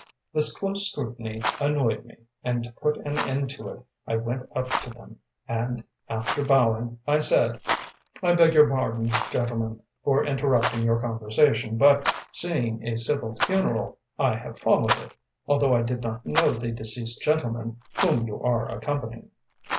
This close scrutiny annoyed me, and to put an end to it I went up to them, and, after bowing, I said: “I beg your pardon, gentlemen, for interrupting your conversation, but, seeing a civil funeral, I have followed it, although I did not know the deceased gentleman whom you are accompanying.